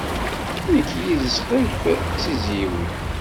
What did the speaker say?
Nekk yid-s qrib d tizzyiwin.